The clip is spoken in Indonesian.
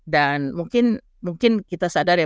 dan mungkin kita sadar ya